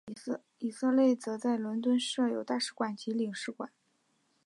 以色列则在伦敦设有大使馆及领事馆。